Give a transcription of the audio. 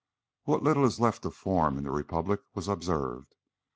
What little is left of form in the Republic was observed.